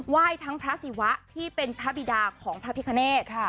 ไหว้ทั้งพระศิวะที่เป็นพระบิดาของพระพิคเนธ